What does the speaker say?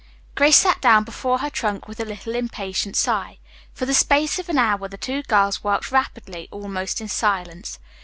Grace sat down before her trunk with a little impatient sigh. For the space of an hour the two girls worked rapidly, almost in silence.